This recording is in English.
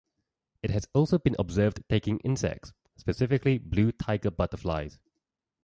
It has also been observed taking insects, specifically blue tiger butterflies.